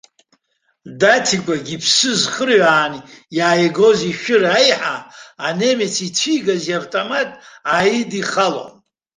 Даҭикәагьы, иԥсы зхырҩааны иааигоз ишәыра аиҳа, анемец ицәигаз иавтомат ааидихалон.